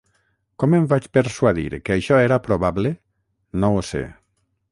Com em vaig persuadir que això era probable, no ho sé.